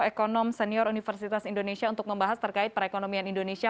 ekonom senior universitas indonesia untuk membahas terkait perekonomian indonesia